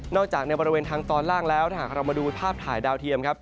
จากในบริเวณทางตอนล่างแล้วถ้าหากเรามาดูภาพถ่ายดาวเทียมครับ